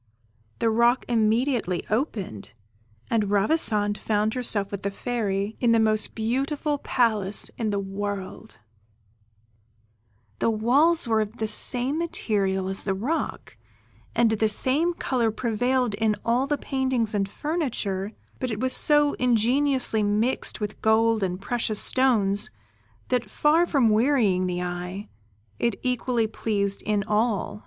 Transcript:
The rock immediately opened, and Ravissante found herself with the Fairy, in the most beautiful palace in the world; the walls were of the same material as the rock, and the same colour prevailed in all the paintings and furniture, but it was so ingeniously mixed with gold and precious stones, that far from wearying the eye, it equally pleased in all.